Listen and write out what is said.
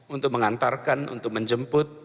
untuk mengantarkan untuk menjemput